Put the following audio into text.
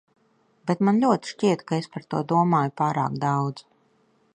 Bet man ļoti šķiet, ka es par to domāju pārāk daudz.